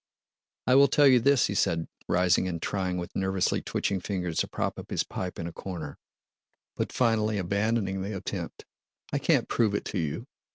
"I will tell you this," he said, rising and trying with nervously twitching fingers to prop up his pipe in a corner, but finally abandoning the attempt. "I can't prove it to you.